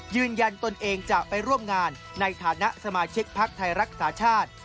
ตนเองจะไปร่วมงานในฐานะสมาชิกพักไทยรักษาชาติ